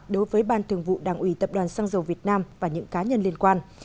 đối với ban thường vụ đảng ủy tập đoàn xăng dầu việt nam và những cá nhân liên quan